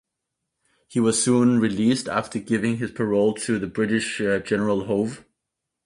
He was soon released, after giving his parole to British General Howe.